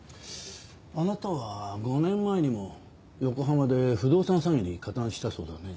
あなたは５年前にも横浜で不動産詐欺に加担したそうだね。